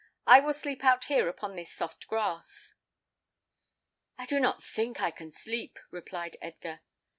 I will sleep out here upon this soft grass." "I do not think I can sleep," replied Edgar.